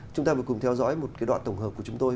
chúng ta vừa cùng theo dõi một cái đoạn tổng hợp của chúng tôi